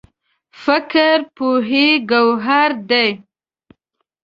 فکر پوهې ګوهر دی.